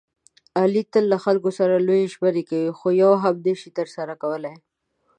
علي تل له خلکو سره لویې ژمنې کوي، خویوه هم نشي ترسره کولی.